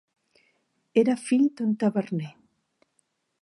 Era fill d'un taverner.